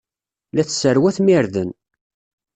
La tesserwatem irden.